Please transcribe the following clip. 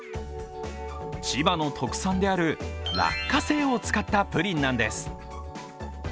千葉の特産である落花生を使ったプリンなんです。